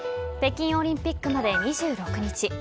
北京オリンピックまで２６日。